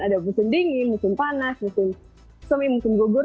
ada musim dingin musim panas musim semi musim gugur